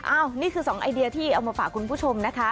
นี่คือสองไอเดียที่เอามาฝากคุณผู้ชมนะคะ